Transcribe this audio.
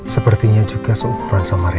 sepertinya juga seukuran sama rena